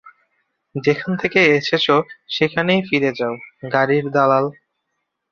যেখান থেকে এসেছ সেখানেই ফিরে যাও, গাড়ির দালাল।